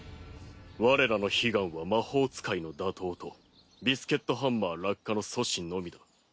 我らの悲願は魔法使いの打倒とビスケットハンマー落下の阻止のみだ。